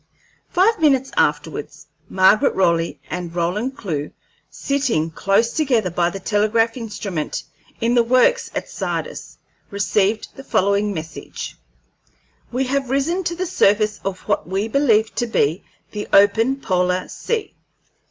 Five minutes afterwards Margaret Raleigh and Roland Clewe, sitting close together by the telegraph instrument in the Works at Sardis, received the following message: "We have risen to the surface of what we believe to be the open polar sea.